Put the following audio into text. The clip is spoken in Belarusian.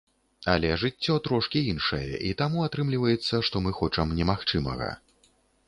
Але жыццё трошкі іншае, і таму атрымліваецца, што мы хочам немагчымага.